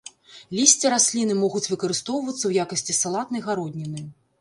Лісце расліны могуць выкарыстоўвацца ў якасці салатнай гародніны.